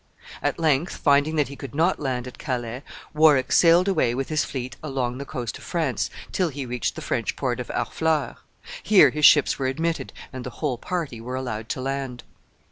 At length, finding that he could not land at Calais, Warwick sailed away with his fleet along the coast of France till he reached the French port of Harfleur. Here his ships were admitted, and the whole party were allowed to land.